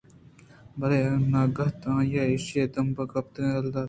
بلئے ناگتءَآئیءَاِیشیءِ دمب ءِ کپگ یلہ دات